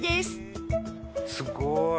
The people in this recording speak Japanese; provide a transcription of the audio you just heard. すごい。